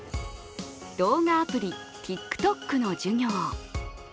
動画アプリＴｉｋＴｏｋの授業。